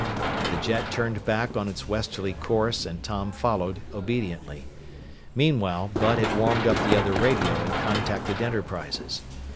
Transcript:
The jet turned back on its westerly course, and Tom followed obediently. Meanwhile, Bud had warmed up the other radio and contacted Enterprises.